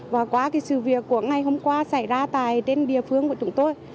và qua cái sự việc của ngày hôm qua xảy ra tại trên địa phương của chúng tôi